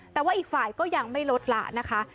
แต่ว่าอีกฝ่ายก็ยังไม่ลดละนะคะ